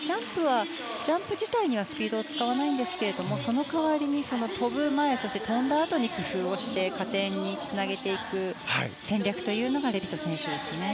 ジャンプ自体にはスピードを使わないんですけどもその代わりに跳ぶ前跳んだあとに工夫をして加点につなげていく戦略というのがレビト選手ですね。